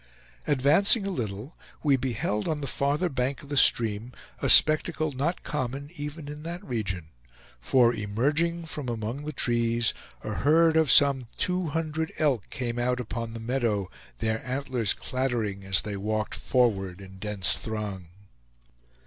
Advancing a little, we beheld on the farther bank of the stream, a spectacle not common even in that region; for, emerging from among the trees, a herd of some two hundred elk came out upon the meadow, their antlers clattering as they walked forward in dense throng.